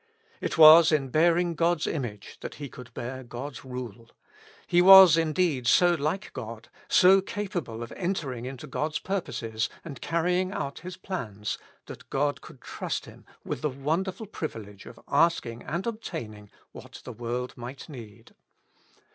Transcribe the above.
It was in bearing God's image that he could bear God's rule; he was indeed so like God, so capable of entering into God's purposes, and carrying out His plans, that God could trust him with the wonderful privilege of asking and obtaining what the world might need.